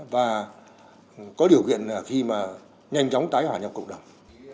và có điều kiện là khi mà nhanh chóng tái hòa nhau cộng đồng